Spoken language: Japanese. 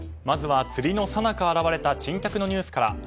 まずは釣りのさなか現れた珍客のニュースから。